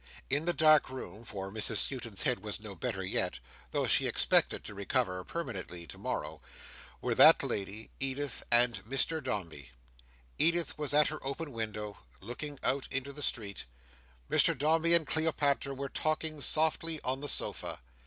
In the dark room—for Mrs Skewton's head was no better yet, though she expected to recover permanently to morrow—were that lady, Edith, and Mr Dombey. Edith was at her open window looking out into the street; Mr Dombey and Cleopatra were talking softly on the sofa.